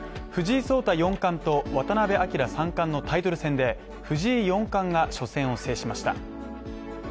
藤井聡太４冠と渡辺明三冠のタイトル戦で、藤井４冠が初戦を制しました。